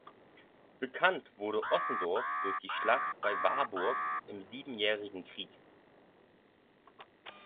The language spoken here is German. Bekannt wurde Ossendorf durch die Schlacht bei Warburg im Siebenjährigen Krieg.